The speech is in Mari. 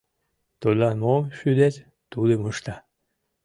Тудлан мом шӱдет, тудым ышта.